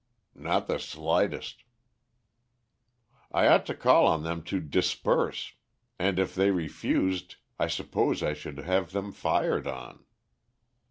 "Not the slightest." "I ought to call on them to disperse, and if they refused I suppose I should have them fired on."